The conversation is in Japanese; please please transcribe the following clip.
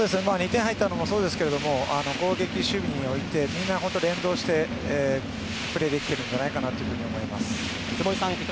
２点入ったのもそうですけど攻撃、守備において連動してプレーできていたと思います。